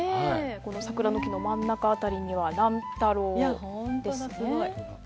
この桜の木の真ん中辺りには乱太郎ですね。